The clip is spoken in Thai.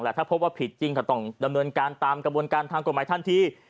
ถ้าพบว่าผิดจริงก็ต้องดำเนินการตามกระบวนการทางกฎหมายทันที